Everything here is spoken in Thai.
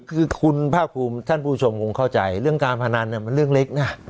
คือคุณภาคภูมิท่านผู้ชมคงเข้าใจเรื่องการพนันมันเรื่องเล็กนะ